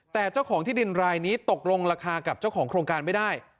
แต่เจ้าของที่ดินรายนี้ตกลงราคากับเจ้าของโครงการไม่ได้